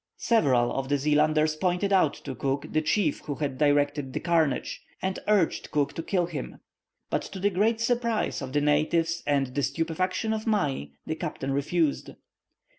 Several of the Zealanders pointed out to Cook the chief who had directed the carnage, and urged Cook to kill him. But to the great surprise of the natives and the stupefaction of Mai, the captain refused.